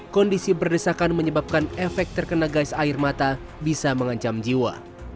kondisi berdesakan menyebabkan efek terkena gais air mata bisa mengancam jiwa